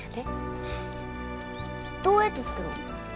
どうやって作るん？